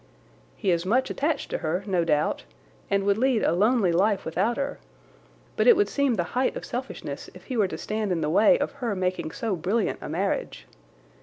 He is much attached to her, no doubt, and would lead a lonely life without her, but it would seem the height of selfishness if he were to stand in the way of her making so brilliant a marriage.